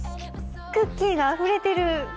クッキーがあふれてる。